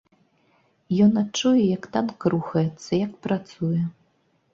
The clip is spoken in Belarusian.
Ён адчуе, як танк рухаецца, як працуе.